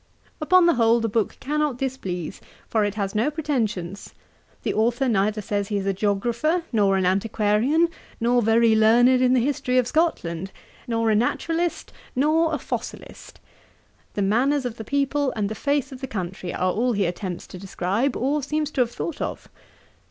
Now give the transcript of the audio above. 'Upon the whole, the book cannot displease, for it has no pretensions. The authour neither says he is a geographer, nor an antiquarian, nor very learned in the history of Scotland, nor a naturalist, nor a fossilist. The manners of the people, and the face of the country, are all he attempts to describe, or seems to have thought of.